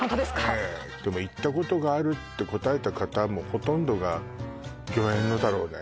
ええでも行ったことがあるって答えた方もほとんどが御苑のだろうね